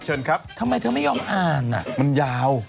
เชิญครับทำไมเธอไม่ยอมอ่านมันยาว